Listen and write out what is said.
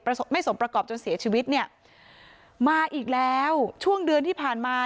ไม่สมประกอบจนเสียชีวิตเนี่ยมาอีกแล้วช่วงเดือนที่ผ่านมา